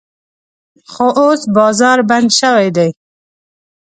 خو اوس بازار بند شوی دی.